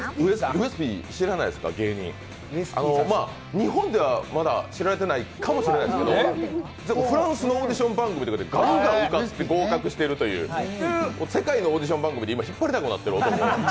日本ではまだ知られてないかもしれないですけど、フランスのオーディション番組とかでガンガン受かってるという世界のオーディション番組で今引っ張りだこになっている男。